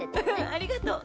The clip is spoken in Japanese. ありがとう！